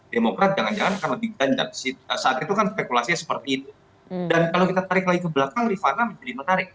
demokrat jangan jangan akan lebih ganjar saat itu kan spekulasinya seperti itu dan kalau kita tarik lagi ke belakang rifana menjadi menarik